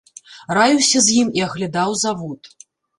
Раіўся з ім і аглядаў завод.